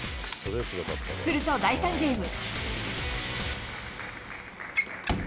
すると第３ゲーム。